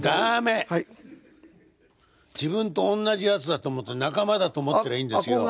自分とおんなじ奴だと思って仲間だと思ってりゃいいんですよ。